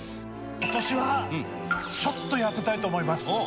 今年は、ちょっと痩せたいと思います。